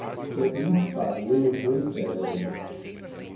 Written by William Winstanley.